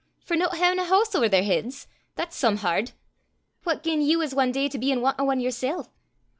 "For no haein' a hoose ower their heids? That's some hard! What gien ye was ae day to be in want o' ane yersel'!"